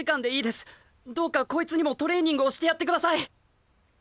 どうかこいつにもトレーニングをしてやってください！